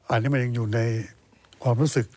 อันนี้มันยังอยู่ในความรู้สึก